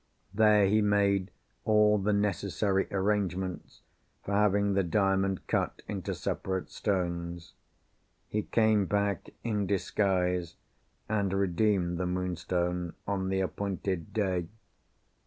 There he made all the necessary arrangements for having the Diamond cut into separate stones. He came back (in disguise), and redeemed the Moonstone, on the appointed day.